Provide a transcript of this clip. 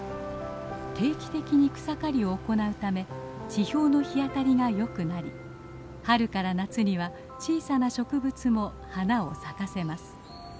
定期的に草刈りを行うため地表の日当たりが良くなり春から夏には小さな植物も花を咲かせます。